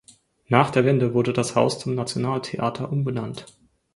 Nach der Wende wurde das Haus zum Nationaltheater umbenannt.